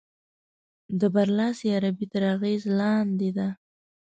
د برلاسې عربي تر اغېز لاندې ده.